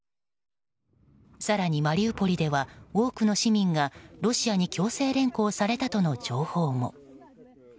更に、マリウポリでは多くの市民がロシアに強制連行されたとの情報も。